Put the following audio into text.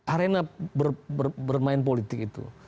arena bermain politik itu